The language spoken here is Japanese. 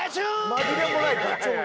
紛れもない「ガチョーン！」